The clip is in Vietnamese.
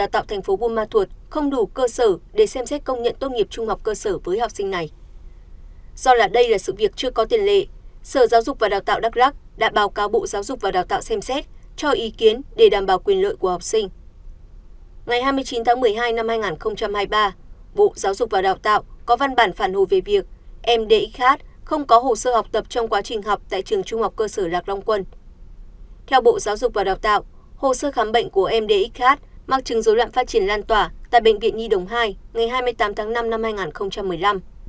theo bộ giáo dục và đào tạo hồ sơ khám bệnh của mdxh mắc chứng dối loạn phát triển lan tỏa tại bệnh viện nhi đồng hai ngày hai mươi tám tháng năm năm hai nghìn một mươi năm